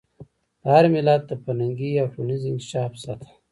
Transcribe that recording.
د هر ملت د فرهنګي او ټولنیز انکشاف سطح.